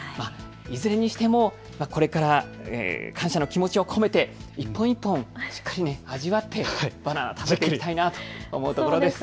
いずれにしてもこれから感謝の気持ちを込めて一本一本しっかり味わってバナナ、食べたいなと思うところです。